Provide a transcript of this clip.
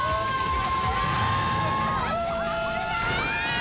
あ！